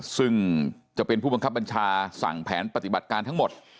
ซึ่งจะเป็นผู้บังคับบัญชาสั่งแผนปฏิบัติการทั้งหมด